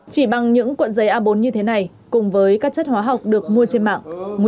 chỉ bằng những cuộn giấy a bốn như thế này cùng với các chất hóa học được mua trên mạng